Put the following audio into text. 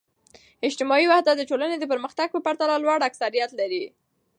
اجتماعي وحدت د ټولنې د پرمختګ په پرتله لوړ اکثریت لري.